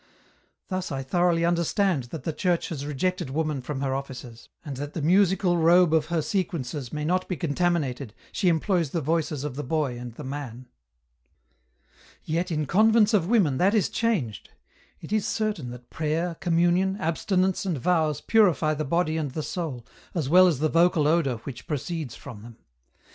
Thus I thoroughly understand that the Church has rejected woman from her offices, and that the musical robe of her sequences may not be contaminated she employs the voices of the boy and the man. EN ROUTE. 53 " Yet in convents of women, that is changed ; it is certain that prayer, communion, abstinence and vows purify the body and the soul, as well as the vocal odour which proceeds from them.